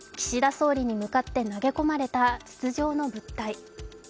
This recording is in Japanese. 総理に向かって投げ込まれた筒状の物体。